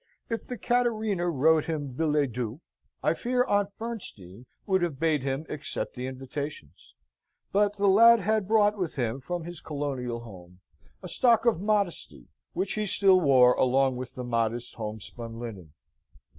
If the Cattarina wrote him billets doux, I fear Aunt Bernstein would have bade him accept the invitations: but the lad had brought with him from his colonial home a stock of modesty which he still wore along with the honest homespun linen.